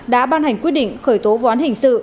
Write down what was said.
đã ban hành quyết định khởi tố vụ án hình sự